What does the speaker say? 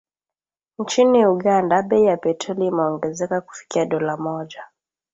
Nchini Uganda, bei ya petroli imeongezeka kufikia dola moja.